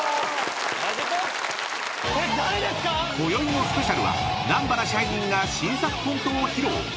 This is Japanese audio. ［こよいのスペシャルは南原支配人が新作コントを披露］